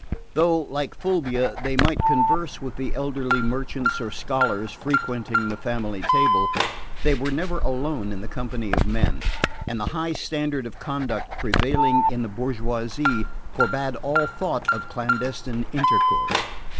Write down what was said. Though, like Fulvia, they might converse with the elderly merchants or scholars frequenting the family table, they were never alone in the company of men, and the high standard of conduct prevailing in the bourgeoisie forbade all thought of clandestine intercourse.